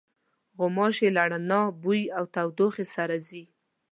غوماشې له رڼا، بوی او تودوخې سره ځي.